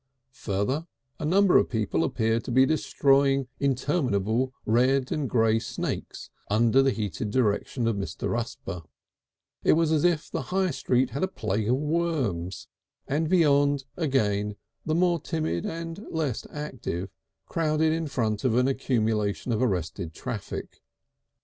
Further a number of people appeared to be destroying interminable red and grey snakes under the heated direction of Mr. Rusper; it was as if the High Street had a plague of worms, and beyond again the more timid and less active crowded in front of an accumulation of arrested traffic.